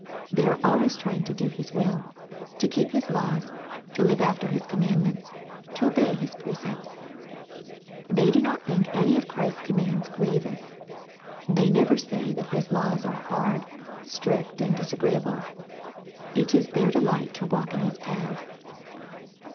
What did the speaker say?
They are always trying to do His will, to keep His laws, to live after His commandments, to obey His precepts. They do not think any of Christ's commands grievous; they never say that His laws are hard, strict, and disagreeable. It is their delight to walk in His paths.